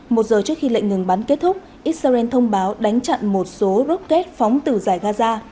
một giờ trước khi lệnh ngừng bắn kết thúc israel thông báo đánh chặn một số rocket phóng từ giải gaza